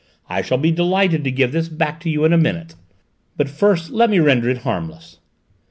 I shall be delighted to give this back to you in a minute, but first let me render it harmless."